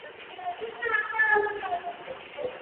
সবল, দৃঢ়, সুস্থকায়, যুবা ও সাহসী ব্যক্তিরাই যোগী হইবার উপযুক্ত।